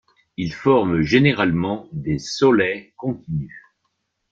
Il forme généralement des saulaies continues.